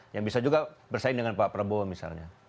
yang bisa juga bersaing dengan pak prabowo misalnya